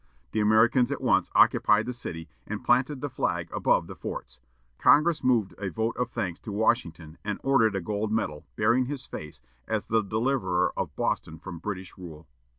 The Americans at once occupied the city, and planted the flag above the forts. Congress moved a vote of thanks to Washington, and ordered a gold medal, bearing his face, as the deliverer of Boston from British rule.